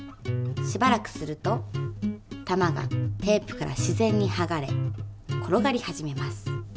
しばらくすると玉がテープから自然にはがれ転がり始めます。